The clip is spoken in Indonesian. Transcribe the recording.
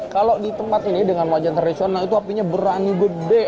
kalau di tempat ini dengan wajan tradisional itu apinya berani gede